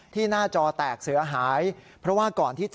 ที่หน้าจอแตกเสือหายเพราะว่าก่อนที่